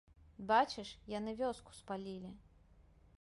Бачыш, яны вёску спалілі.